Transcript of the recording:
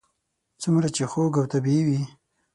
څومره چې خوږ او طبیعي و.